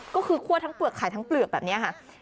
ก็คือคั่วทั้งเปลือกไข่ทั้งเปลือกแบบนี้ค่ะ